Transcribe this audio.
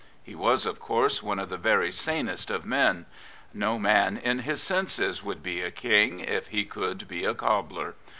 He was, of course, one of the very sanest of men. |^o tnan in his senses would be a ]^ihg if he could be a cobbler.